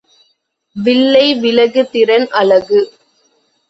வில்லை விலகுதிறன் அலகு.